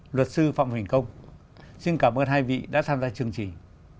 luật sư phạm huỳnh công xin cảm ơn hai vị đã tham gia chương trình